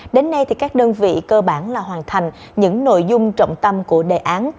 đến nay các đơn vị cơ bản là hoàn thành những nội dung trọng tâm của đề án